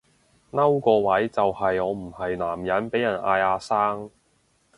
嬲個位就係我唔係男人被人嗌阿生